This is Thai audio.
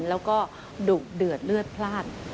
แล้วก็ดุเดือดเลือดพลาด